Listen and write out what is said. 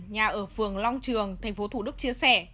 nhà ở phường long trường tp thủ đức chia sẻ